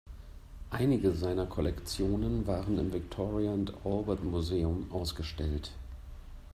Einige seiner Kollektionen waren im Victoria and Albert Museum ausgestellt.